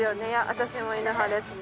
私も犬派ですね